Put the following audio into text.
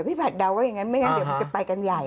ผัดเดาว่าอย่างนั้นไม่งั้นเดี๋ยวมันจะไปกันใหญ่